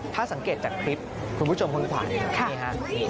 ถ้าสังเกตจากคลิปคุณผู้ชมควรผ่านไปตรงนี้ค่ะ